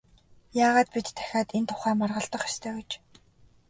Яагаад бид дахиад энэ тухай маргалдах ёстой гэж?